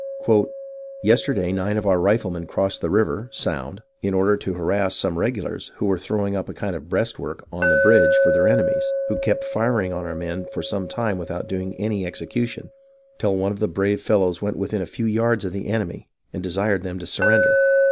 " Yesterday nine of our riflemen crossed the river in order to harass some Regulars who were throwing up a kind of breastwork on a bridge for their enemies, who kept firing on our men for some time without doing any execution, till one of the brave fellows went within a few yards of the enemy, and desired them to sur render.